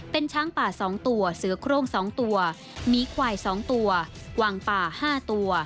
เป็นช้างป่า๒ตัวเสือโครง๒ตัวหมีควาย๒ตัววางป่า๕ตัว